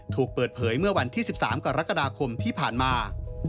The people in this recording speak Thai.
ถูกเปิดเผยเมื่อวันที่๑๓กรกฎาคมที่ผ่านมา